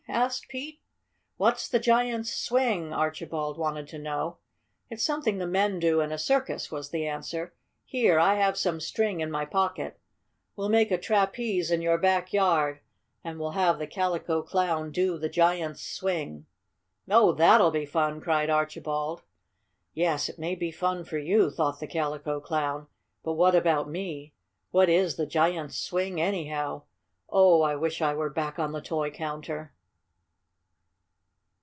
asked Pete. "What's the giant's swing?" Archibald wanted to know. "It's something the men do in a circus," was the answer. "Here, I have some string in my pocket. We'll make a trapeze in your back yard and we'll have the Calico Clown do the giant's swing." "Oh, that'll be fun!" cried Archibald. "Yes, it may be fun for you," thought the Calico Clown, "but what about me? What is the giant's swing, anyhow? Oh, I wish I were back on the toy counter!"